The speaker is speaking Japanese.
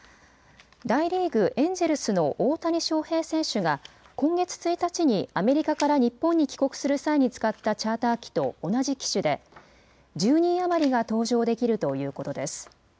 大リーグ、エンジェルスの大谷翔平選手が今月１日にアメリカから日本に帰国する際に使ったチャーター機と同じ機種で１０人余りが搭乗できるということです。